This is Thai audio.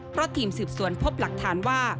เพราะทีมสืบสวนพบหลักฐานว่า